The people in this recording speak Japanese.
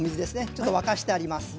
ちょっと沸かしてあります。